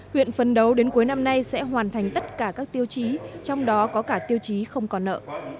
huyện phấn đấu đến cuối năm nay sẽ hoàn thành tất cả các tiêu chí trong đó có cả tiêu chí không còn nợ